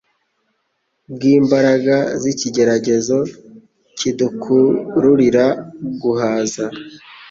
bw’imbaraga z’ikigeragezo kidukururira guhaza